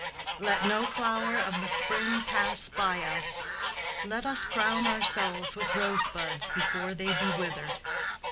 "Let no flower of the spring pass by us; let us crown ourselves with rosebuds before they be withered."